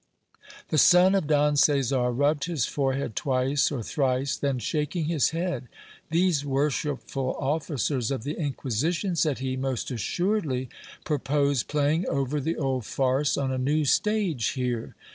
The son of Don Caesar rubbed his forehead twice or thrice, then shaking his head, These worshipful officers of the Inquisition, said he, most assuredly pur pose playing over the old farce on a new stage here.